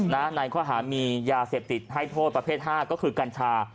ในข้อหามียาเสพติดให้โทษประเภท๕ก็คือกัญชา